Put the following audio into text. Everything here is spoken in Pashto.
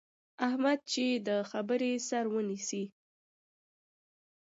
احمد چې د خبرې سر ونیسي،